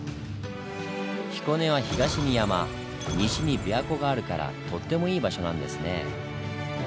彦根は東に山西に琵琶湖があるからとってもイイ場所なんですね。